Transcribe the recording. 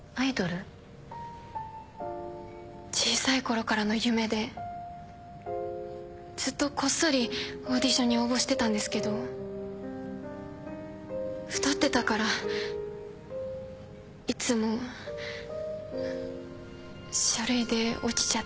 小さい頃からの夢でずっとこっそりオーディションに応募してたんですけど太ってたからいつも書類で落ちちゃって。